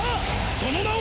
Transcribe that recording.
その名を！